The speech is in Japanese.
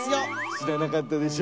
知らなかったでしょ？